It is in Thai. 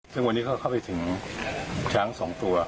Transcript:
ซึ่งวันนี้เขาเข้าไปถึงช้าง๒ตัว